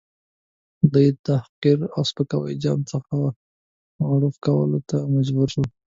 دی د تحقیر او سپکاوي جام څخه غوړپ کولو ته مجبور شو.